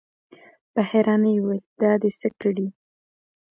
په حيرانۍ يې وويل: دا دې څه کړي؟